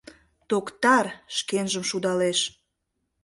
Токтар! — шкенжым шудалеш.